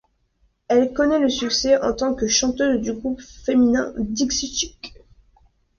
Elle connait le succès en tant que chanteuse du groupe féminin Dixie Chicks.